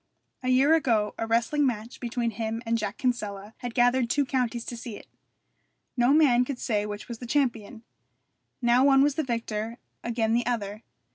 A year ago a wrestling match between him and Jack Kinsella had gathered two counties to see it. No man could say which was the champion. Now one was the victor, again the other.